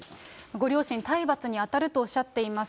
ご両親、体罰に当たるとおっしゃっています。